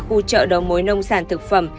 khu chợ đầu mối nông sản thực phẩm